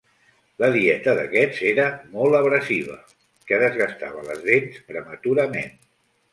La dieta d'aquests era molt abrasiva que desgastava les dents prematurament.